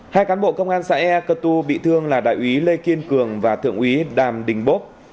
hai cán bộ công an xã ea cơ tu bị thương là đại úy lê kiên cường và thượng úy đàm đình bốp